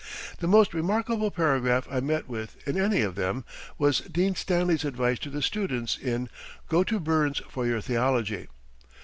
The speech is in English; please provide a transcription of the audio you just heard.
The most remarkable paragraph I met with in any of them was Dean Stanley's advice to the students to "go to Burns for your theology."